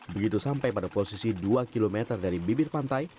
begitu sampai pada posisi dua km dari bibir pantai